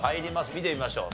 見てみましょう。